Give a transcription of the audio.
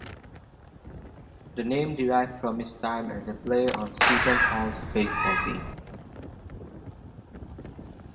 The name derived from his time as a player on Seton Hall's baseball team.